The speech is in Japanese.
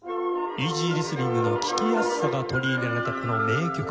イージーリスニングの聴きやすさが取り入れられたこの名曲。